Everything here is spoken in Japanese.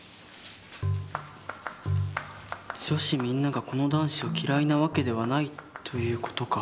女子みんながこの男子を嫌いな訳ではないという事か。